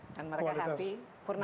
dan mereka happy